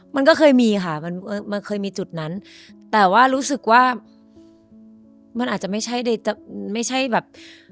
มันก็เคยมีค่ะมันมันเคยมีจุดนั้นแต่ว่ารู้สึกว่ามันอาจจะไม่ใช่แบบ